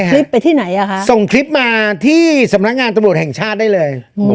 คลิปไปที่ไหนอ่ะคะส่งคลิปมาที่สำนักงานตำรวจแห่งชาติได้เลย